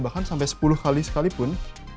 bahkan sampai sepuluh kali sekalipun